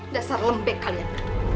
dasar lembek kalian